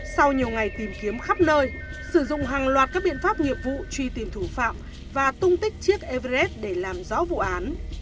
sau nhiều ngày tìm kiếm khắp nơi sử dụng hàng loạt các biện pháp nghiệp vụ truy tìm thủ phạm và tung tích chiếc everes để làm rõ vụ án